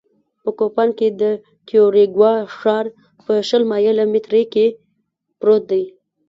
په کوپان کې د کیوریګوا ښار په شل مایله مترۍ کې پروت دی